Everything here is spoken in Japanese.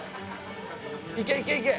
いけいけいけ！